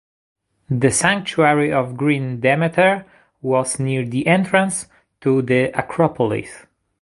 The sanctuary of Green Demeter was near the entrance to the Acropolis.